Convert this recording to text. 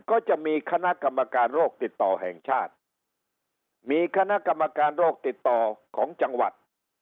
ก็จะมีคณะกรรมการโรคติดต่อแห่งชาติมีคณะกรรมการโรคติดต่อของจังหวัด